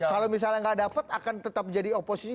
kalau misalnya nggak dapat akan tetap jadi oposisi